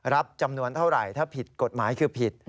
รับจำนวนเท่าไหร่ถ้าผิดกฎหมายคือผิด